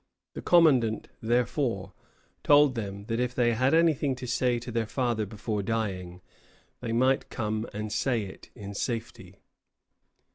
The commandant, therefore, told them that if they had anything to say to their father before dying, they might come and say it in safety.